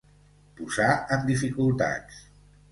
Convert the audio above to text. Posar en dificultats.